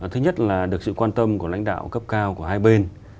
thứ nhất là được sự quan tâm của lãnh đạo cấp cao của hai bên